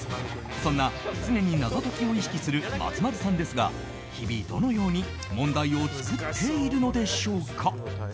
そんな常に謎解きを意識する松丸さんですが日々どのように問題を作っているのでしょうか。